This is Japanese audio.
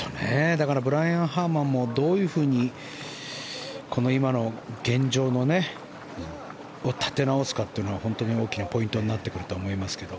だからブライアン・ハーマンもどういうふうに今の現状を立て直すかっていうのは本当に大きなポイントになってくると思いますけど。